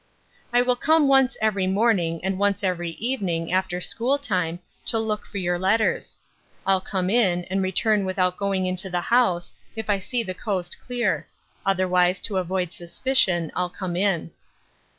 'I will come once every morning, and once every evening, after school time, to look for your letters. I'll come in, and return without going into the house, if I see the coast clear: Otherwise, to avoid suspicion, I'll come in.